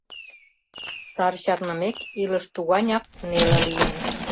— Сар чарнымек, илыш туганяк неле лийын.